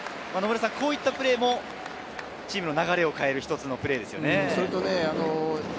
こういったプレーもチームの流れを変える一つのプレーですよね。